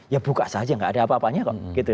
ya buka saja nggak ada apa apanya kok gitu